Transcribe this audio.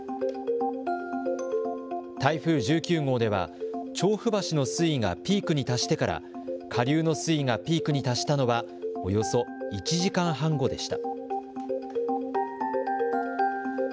台風１９号では調布橋の水位がピークに達してから下流の水位がピークに達したのはおよそ１時間半後でした。